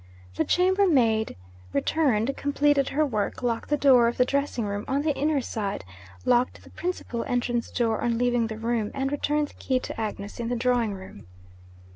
The chambermaid returned, completed her work, locked the door of the dressing room on the inner side, locked the principal entrance door on leaving the room, and returned the key to Agnes in the drawing room.